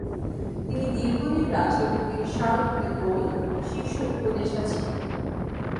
তিনি দীর্ঘদিন রাষ্ট্রপতির শার্ল দ্য গোল শীর্ষ উপদেষ্টা ছিলেন।